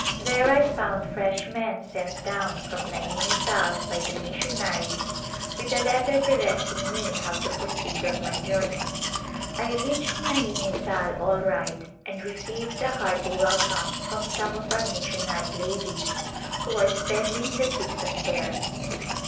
There I found fresh men sent down from Naini Tal by the missionaries with a letter directing me how to proceed on my journey. I reached Naini Tal all right A Glimpse of India and received a hearty welcome from some of our mis sionary ladies who are spending the season there.